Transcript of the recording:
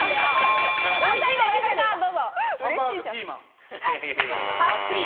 ハンバーグピーマン。